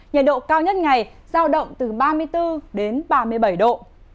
nhiệt độ cao nhất ngày giao động từ ba mươi bốn đến ba mươi bảy độ